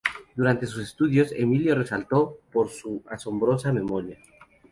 Durante sus estudios, Emilio resaltó por su asombrosa memoria.